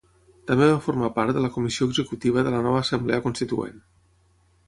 També va formar part de la Comissió Executiva de la nova Assemblea Constituent.